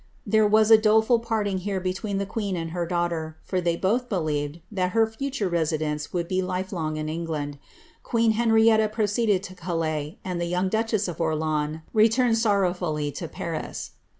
Tliere was a doleful porting here between the queea and her daughter, for they both believed that her future residence wooU be life long in England. Queen Henrietta proceeded to Calais, and the young duchess of Orleans returned sorrowfully to Paris.